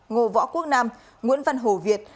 ngô võ quốc nam nguyễn văn hồ việt